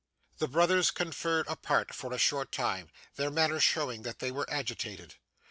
The brothers conferred apart for a short time: their manner showing that they were agitated.